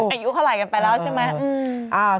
อายุเท่าไหร่กันไปแล้วใช่ไหม